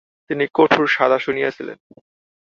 তিনি কঠোর সাজা শুনিয়েছিলেন।